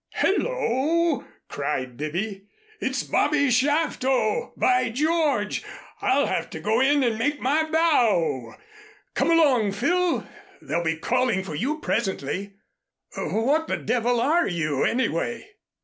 "Hello," cried Bibby. "It's Bobby Shafto, by George. I'll have to go in and make my bow. Come along, Phil. They'll be calling for you presently. What the devil are you anyway?"